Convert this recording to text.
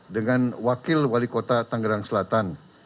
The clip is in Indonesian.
dengan wakil wali kota tanggerang selatan